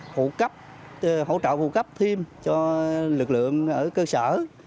phải hỗ trợ phụ cấp thêm cho lực lượng ở cơ sở